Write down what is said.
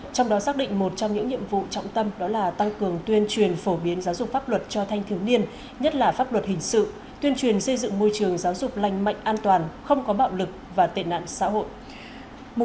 trong đó xác định một trong những nhiệm vụ trọng tâm đó là tăng cường tuyên truyền phổ biến giáo dục pháp luật cho thanh thiếu niên nhất là pháp luật hình sự tuyên truyền xây dựng môi trường giáo dục lành mạnh an toàn không có bạo lực và tệ nạn xã hội